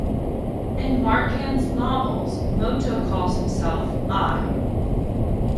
In Marquand's novels, Moto calls himself I.